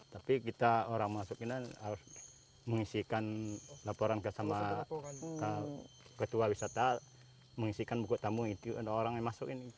tapi kita orang masuk ini harus mengisikan laporan sama ketua wisata mengisikan buku tamu itu ada orang yang masuk ini